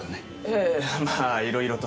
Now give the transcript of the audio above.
ええまあいろいろと。